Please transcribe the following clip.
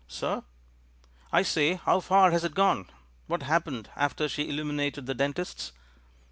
"Sir?" "I say, how far has it gone? What happened after she illuminated the dentist's?"